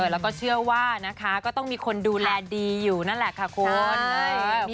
แล้วก็เชื่อว่านะคะก็ต้องมีคนดูแลดีอยู่นั่นแหละค่ะคุณ